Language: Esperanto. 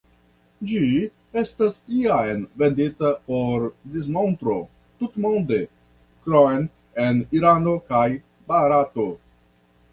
Ĝi estas jam vendita por dismontro tutmonde, krom en Irano kaj Barato.